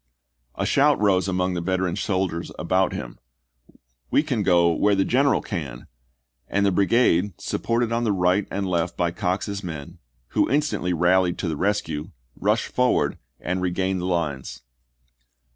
A shout rose among the veteran soldiers about him, "We can go where the general can "; and the brigade, sup ported on the right and left by Cox's men, who in stantly rallied to the rescue, rushed forward and regained the lines.